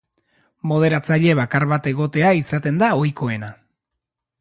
Moderatzaile bakar bat egotea izaten da ohikoena.